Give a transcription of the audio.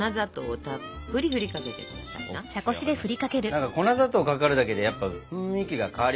何か粉砂糖かかるだけでやっぱ雰囲気が変わりますね。